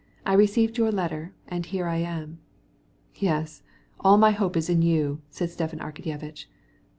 I got your letter, and here I am." "Yes, all my hopes are in you," said Stepan Arkadyevitch.